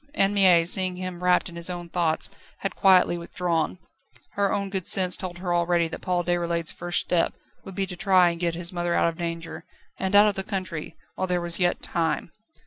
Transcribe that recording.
Anne Mie, seeing him wrapped in his own thoughts, had quietly withdrawn. Her own good sense told her already that Paul Déroulède's first step would be to try and get his mother out of danger, and out of the country, while there was yet time.